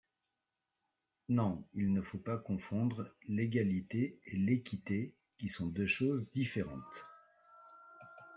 Non, il ne faut pas confondre l’égalité et l’équité, qui sont deux choses différentes.